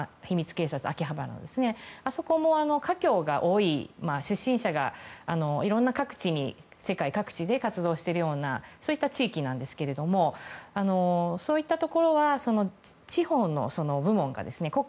警察あそこも華僑が多い出身者が、いろんな世界各地で活動しているようなそういった地域なんですがそういったところは地方の部門が。